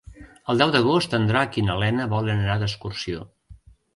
El deu d'agost en Drac i na Lena volen anar d'excursió.